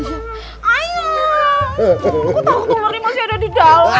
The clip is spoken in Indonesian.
aku tahu ular ini masih ada di dalam